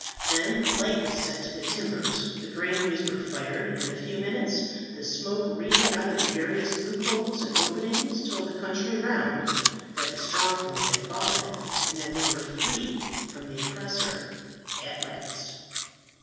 Then a light was set to the timbers, the granaries were fired, and in a few minutes the smoke wreathing out of the various loopholes and openings told the country round that the stronghold had fallen, and that they were free from the oppressor at last.